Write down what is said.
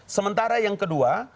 sementara yang kedua